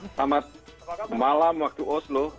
selamat malam waktu oslo